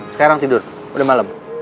sekarang tidur udah malem